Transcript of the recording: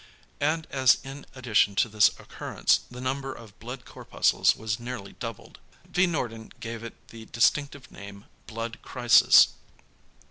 And as in addition to this occurrence the number of blood corpuscles was nearly doubled, v. Noorden gave it the distinctive name "blood crisis."